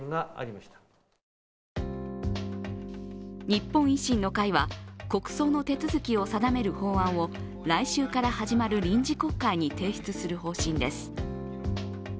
日本維新の会は国葬の手続きを定める法案を来週から始まる臨時国会に提出する方針です。